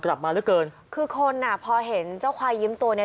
กลับมาเหลือเกินคือคนอ่ะพอเห็นเจ้าควายยิ้มตัวเนี้ย